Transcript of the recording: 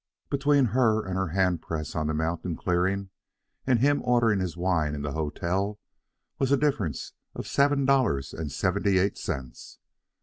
Between her and her hand press on the mountain clearing and him ordering his wine in the hotel was a difference of seven dollars and seventy eight cents.